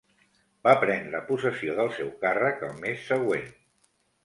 Va prendre possessió del seu càrrec el mes següent.